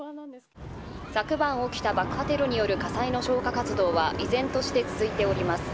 昨晩起きた爆破テロによる火災の消火活動は依然として続いております。